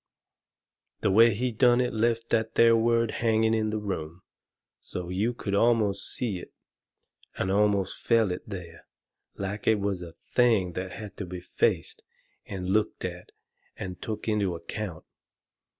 The way he done it left that there word hanging in the room, so you could almost see it and almost feel it there, like it was a thing that had to be faced and looked at and took into account.